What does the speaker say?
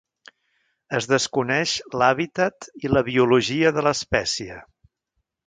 Es desconeix l'hàbitat i la biologia de l'espècie.